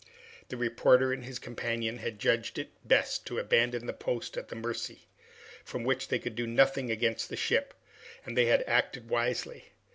The reporter and his companion had judged it best to abandon the post at the Mercy, from which they could do nothing against the ship, and they had acted wisely.